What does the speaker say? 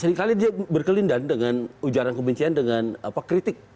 seringkali dia berkelindan dengan ujaran kebencian dengan kritik